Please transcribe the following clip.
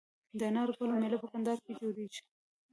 د انار ګل میله په کندهار کې جوړیږي.